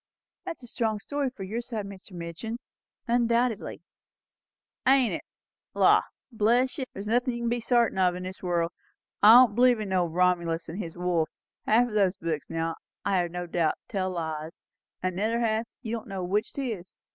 "It is a strong story for your side, Mr. Midgin, undoubtedly." "Ain't it! La! bless you, there's nothin' you kin be sartain of in this world. I don't believe in no Romulus and his wolf. Half o' all these books, now, I have no doubt, tells lies; and the other half, you don' know which 'tis."